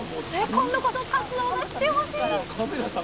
今度こそかつおが来てほしい！